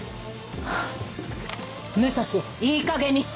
武蔵いいかげんにして。